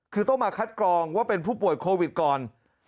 คือต้องมาคัดกรองว่าเป็นผู้ป่วยโควิดก่อน